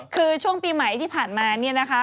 คือช่วงปีใหม่ที่ผ่านมาเนี่ยนะคะ